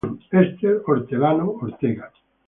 Esther Hortelano Ortega.